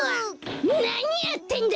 なにやってんだ！？